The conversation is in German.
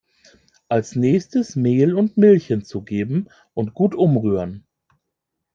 Als nächstes Mehl und Milch hinzugeben und gut umrühren.